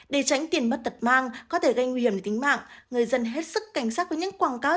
để tránh tiền mất tật mang có thể gây nguy hiểm tính mạng người dân hết sức cảnh giác với những quảng cáo